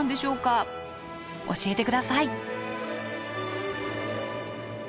教えて下さい。